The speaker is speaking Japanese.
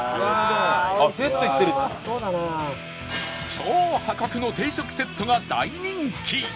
超破格の定食セットが大人気！